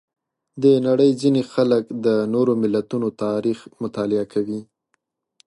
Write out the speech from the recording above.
د نړۍ ځینې خلک د نورو ملتونو تاریخ مطالعه کوي.